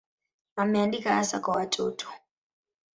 Ameandika hasa kwa watoto.